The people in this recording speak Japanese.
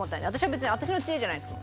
別に私の知恵じゃないです。